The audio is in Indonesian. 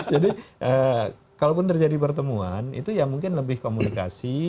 jadi kalaupun terjadi pertemuan itu ya mungkin lebih komunikasi